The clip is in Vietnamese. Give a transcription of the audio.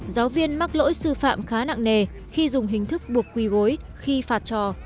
giáo viên mắc lỗi sư phạm khá nặng nề khi dùng hình thức buộc quỳ gối khi phạt trò